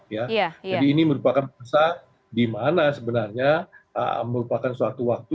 jadi ini merupakan masa di mana sebenarnya merupakan suatu waktu